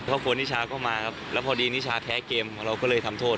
คนนิชาก็มาครับแล้วพอดีนิชาแพ้เกมของเราก็เลยทำโทษ